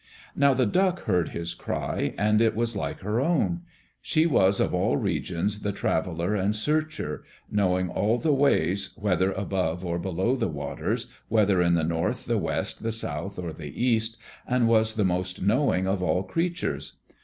Now the Duck heard his cry and it was like her own. She was of all regions the traveller and searcher, knowing all the ways, whether above or below the waters, whether in the north, the west, the south, or the east, and was the most knowing of all creatures.